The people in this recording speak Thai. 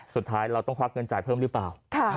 สุดท้ายเราต้องควักเงินจ่ายเพิ่มหรือเปล่า